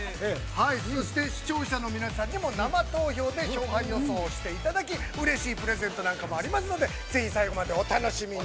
◆そして、視聴者の皆さんにも、生投票で勝敗予想をしていただき、うれしいプレゼントもありますのでぜひ最後までお楽しみに。